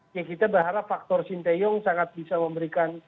ya kita berharap faktor sinteyong sangat bisa memberikan